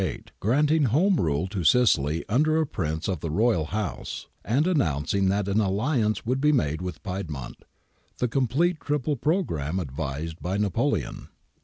THE CONSTITUTION STILL BORN 15 1848, granting Home Rule to Sicily under a Prince of the Royal House, and announcing that an alliance would be made with Piedmont — the complete triple programme advised by Napoleon.